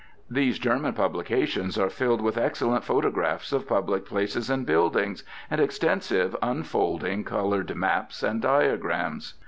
These German publications are filled with excellent photographs of public places and buildings, and extensive unfolding coloured maps and diagrams.